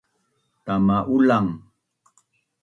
tama Ulang